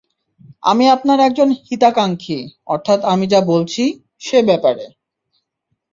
আমি আপনার একজন হিতাকাঙ্ক্ষী অর্থাৎ আমি যা বলছি, সে ব্যাপারে।